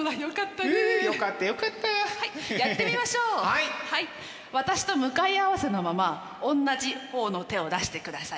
はい私と向かい合わせのままおんなじ方の手を出してくださいね。